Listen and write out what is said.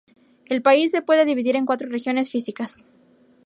El país se puede dividir en cuatro regiones físicas.